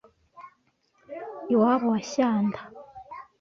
Iwabo wa Shyanda